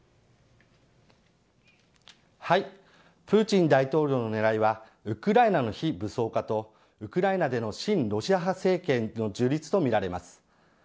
プーチン大統領の狙いはウクライナの非武装化とウクライナでの親ロシア派政権の樹立とみられます。